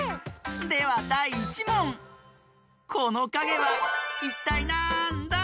ではだい１もんこのかげはいったいなんだ？